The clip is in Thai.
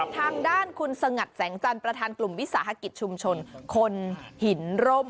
ทางด้านคุณสงัดแสงจันทร์ประธานกลุ่มวิสาหกิจชุมชนคนหินร่ม